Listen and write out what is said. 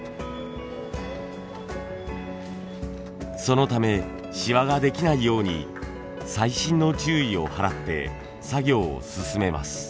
そのためシワができないように細心の注意を払って作業を進めます。